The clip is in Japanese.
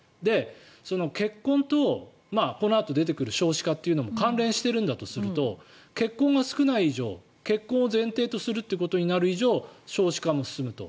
その結婚と、このあと出てくる少子化というのも関連してるんだとすると結婚が少ない以上結婚を前提とするということになる以上少子化も進むと。